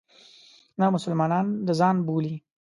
نه مسلمانان د ځان بولي.